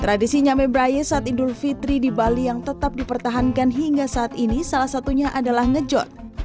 tradisi nyame braye saat idul fitri di bali yang tetap dipertahankan hingga saat ini salah satunya adalah ngejot